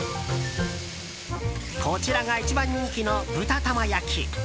こちらが一番人気の豚玉焼。